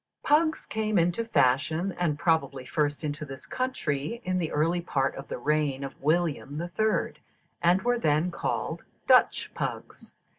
_ Pugs came into fashion, and probably first into this country, in the early part of the reign of William the Third, and were then called Dutch pugs.